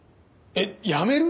えっ辞める！？